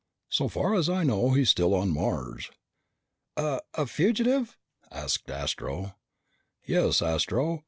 "So far as I know, he's still on Mars." "A a fugitive?" asked Astro. "Yes, Astro.